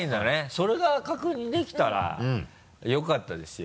それが確認できたら良かったですよ。